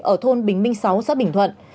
ở thôn bình minh sáu xã bình thuận